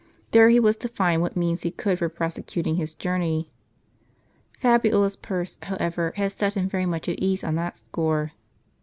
There he was to find what means he could for prosecuting his journey. Fabiola's purse, however, had set him very much at ease on that score.